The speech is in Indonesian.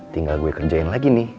tinggal gue kerjain lagi nih